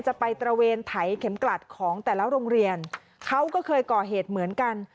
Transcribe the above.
ไปตระเวนไถเข็มกลัดของแต่ละโรงเรียนเขาก็เคยก่อเหตุเหมือนกัน